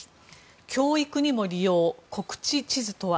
教育にも利用、国恥地図とは。